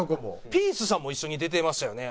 ピースさんも一緒に出てましたよね